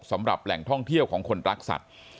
สำหรับแหล่งท่องเที่ยวของคนรักสัตว์